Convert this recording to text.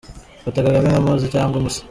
Fata Kagame nka Mose cyangwa Musa.